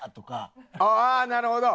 ああなるほど。